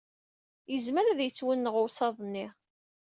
Yezmer ad yettwenɣ uwsaḍ-nni.